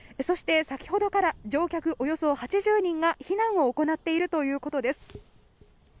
そして先ほどから乗客およそ８０人が避難を行っているということです。